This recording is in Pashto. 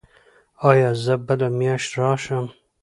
ایا زه بله میاشت راشم؟